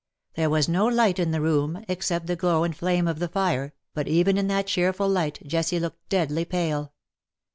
There was no light in the room, except the glow and flame of the fire, but even in that cheerful light Jessie looked deadly pale.